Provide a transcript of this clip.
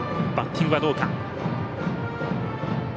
バッティングはどうか。